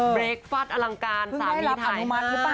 เบรกฟัสอลังการสามีไทยห้า